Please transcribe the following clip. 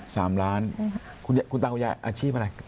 สามล้านใช่ค่ะคุณตาคุณยายอาชีพอะไร